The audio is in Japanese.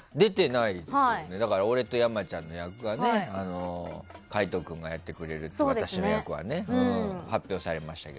だから、俺と山ちゃんの役は海人君がやってくれるって私の役はね、発表されましたが。